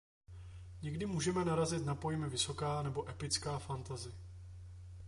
Někdy můžeme narazit na pojmy „vysoká“ nebo „epická“ fantasy.